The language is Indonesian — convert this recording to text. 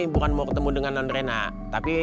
bukan mau ketemu dengan non rena tapi